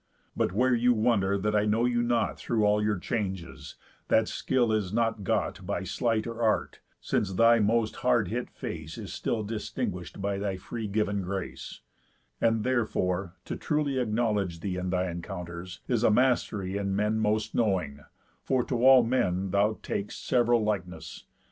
But where you wonder that I know you not Through all your changes, that skill is not got By sleight or art, since thy most hard hit face Is still distinguish'd by thy free giv'n grace; And therefore, truly to acknowledge thee In thy encounters, is a mastery In men most knowing; for to all men thou Tak'st sev'ral likeness.